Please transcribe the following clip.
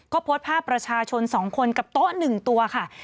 ก็โพสต์ภาพประชาชน๒คนกับโต๊ะ๑ตัวค่ะ